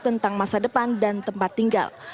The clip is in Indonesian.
tentang masa depan dan tempat tinggal